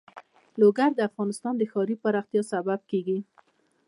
لوگر د افغانستان د ښاري پراختیا سبب کېږي.